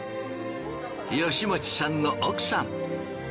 吉用さんの奥さん。